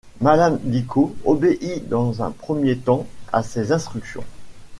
Malam Dicko obéit dans un premier temps à ces instructions.